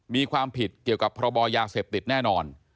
มีความผิดเกี่ยวกับพรบยาเสพติดแน่นอน